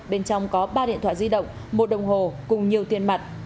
bên trong có ba điện thoại di động một đồng hồ cùng nhiều tiền mặt